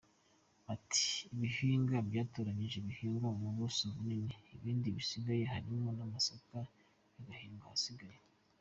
Ati “Ibihingwa byatoranyijwe bihingwa ku buso bunini, ibindi bisigaye harimo n’amasaka bigahingwa ahasigaye.